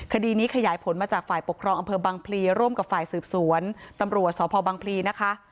คดีนี้ขยายผลมาจากฝ่ายปกครองอำเภอบังพลีร่วมกับฝ่ายสืบสวนตำรวจสพบังพลีนะคะ